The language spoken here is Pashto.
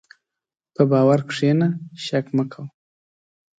په باور کښېنه، شک مه کوه.